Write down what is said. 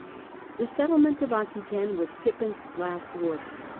The settlement of Aquetaine was Pippin's last work.